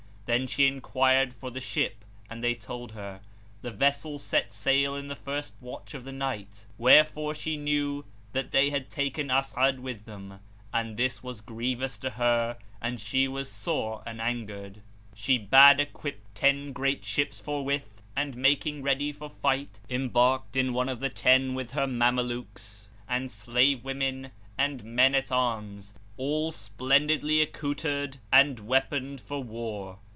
Then she enquired for the ship and they told her, "The vessel set sail in the first watch of the night"; wherefor she knew that they had taken As'ad with them, and this was grievous to her and she was sore an angered. She bade equip ten great ships forthwith and, making ready for fight, embarked in one of the ten with her Mamelukes and slave women and men at arms, all splendidly accoutred and weaponed for war.